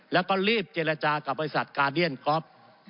แล้วก็รีบเจรจากับบริษัทกาเดียนก๊อฟ